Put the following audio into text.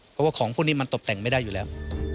เพราะว่าของพวกนี้มันตบแต่งไม่ได้อยู่แล้ว